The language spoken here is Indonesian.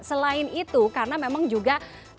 selain itu karena memang juga